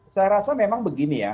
saya rasa memang begini ya